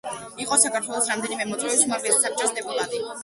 იყო საქართველოს რამდენიმე მოწვევის უმაღლესი საბჭოს დეპუტატი.